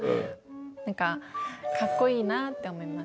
何かかっこいいなって思います。